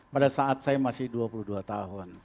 pada saat saya masih dua puluh dua tahun